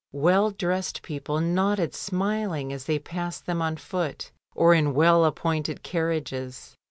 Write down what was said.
Well dressed people nodded smiling as they passed them on foot or in well appointed carriages.